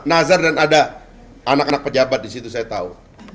nazar dan ada anak anak pejabat di situ saya tahu